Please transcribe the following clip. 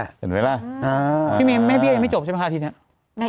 เห็นไหมล่ะแม่พี่ยังไม่จบใช่ไหมคะทีนี้